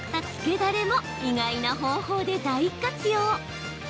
だれも意外な方法で大活用。